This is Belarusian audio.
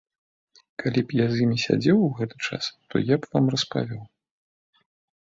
Калі б я з імі сядзеў у гэты час, то я б вам распавёў.